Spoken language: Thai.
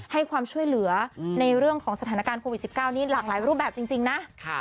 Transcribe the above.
ให้ความช่วยเหลือในเรื่องของสถานการณ์โควิด๑๙นี่หลากหลายรูปแบบจริงนะ